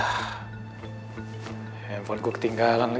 pak wisnu dari anugrah tekstil sudah datang